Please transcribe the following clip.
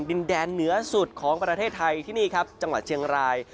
ดินแดนเหนือสุดของประเทศไทยที่นี่ครับจังหวัดเชียงราย